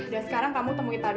dan sekarang kamu temuin tante